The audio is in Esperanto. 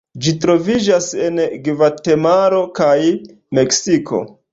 Ĝi troviĝas en Gvatemalo kaj Meksiko.